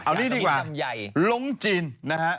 เอานี่ดีกว่าลงจินนะฮะ